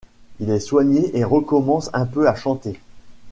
Il est soigné et recommence un peu à chanter.